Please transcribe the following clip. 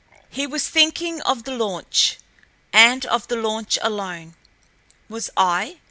He was thinking of the launch, and of the launch alone. Was I?